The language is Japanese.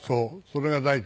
それが第一。